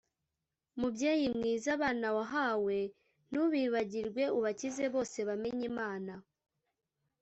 Mubyeyi mwiza abana wahawe ntubibagirwe ubakize bose bamenye Imana